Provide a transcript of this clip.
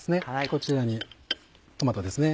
こちらにトマトですね。